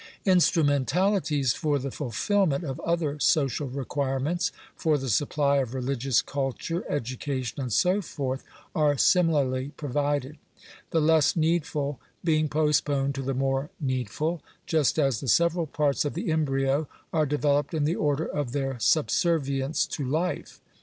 Instrumentalities for the fulfilment of other social requirements — fot the supply of re ligious culture, education, and so forth, are similarly provided : the less needful being postponed to the more needful ; juBt as the several parts of the embryo are developed in the order of their subservience to Bfe.